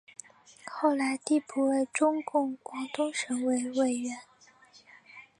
后来递补为中共广东省委委员。